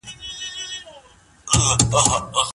موږ بايد د يو بل نظريات په پوره زغم واورو.